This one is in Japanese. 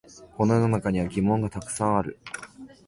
この世の中には疑問がたくさんある